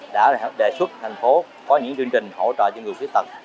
đã đề xuất thành phố có những chương trình hỗ trợ cho người khuyết tật